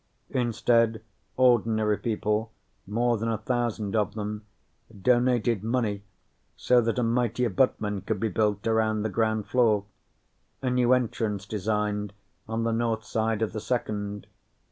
Instead, ordinary people, more than a thousand of them, donated money so that a mighty abutment could be built around the ground floor, a new entrance designed on the north side of the second.